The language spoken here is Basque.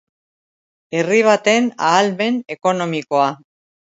Herri baten ahalmen ekonomikoa.